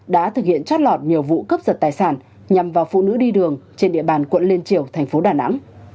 đã thực hiện trót lọt nhiều vụ cướp giật tài sản nhằm vào phụ nữ đi đường trên địa bàn quận liên triều thành phố đà nẵng